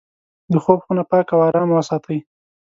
د خوب خونه پاکه او ارامه وساتئ.